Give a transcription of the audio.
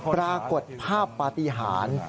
ปรากฏภาพปฏิหาร